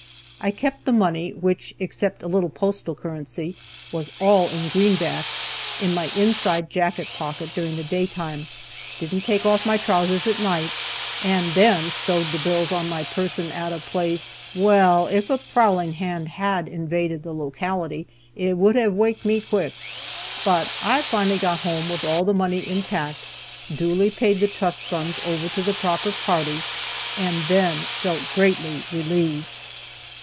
I kept the money (which, except a little postal currency, was all in greenbacks) in my inside jacket pocket during the day time, didn't take off my trousers at night, and then stowed the bills on my person at a place well, if a prowling hand had invaded the locality, it would have waked me quick! But I finally got home with all the money intact, duly paid the trust funds over to the proper parties, and then felt greatly relieved.